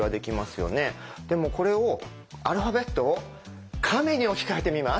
でもこれをアルファベットを亀に置き換えてみます。